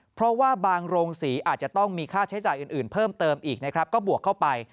เพิ่มเติมอีกนะครับก็บวกเข้าไป